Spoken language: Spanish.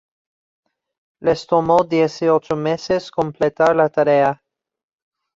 Les tomó dieciocho meses completar la tarea.